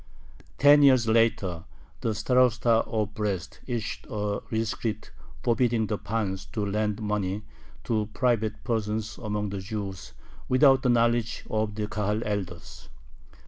Ten years later the Starosta of Brest issued a rescript forbidding the pans to lend money to private persons among the Jews without the knowledge of the Kahal elders.